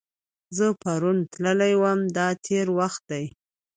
زه پرون تللی وم – دا تېر وخت دی.